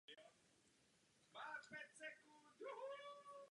O portrétní tvorbu nebyl zájem.